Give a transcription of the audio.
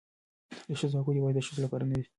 د ښځو حقوق یوازې د ښځو لپاره نه دي.